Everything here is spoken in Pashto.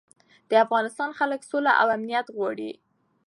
د افغانستان خلک سوله او امنیت غواړي.